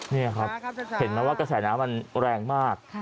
นี่ครับเห็นไหมว่ากระแสน้ำมันแรงมาก